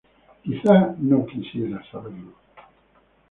Quizá no quiera saberlo"".